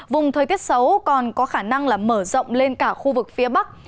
vùng thời tiết xấu còn có khả năng là mở rộng lên cả khu vực phía bắc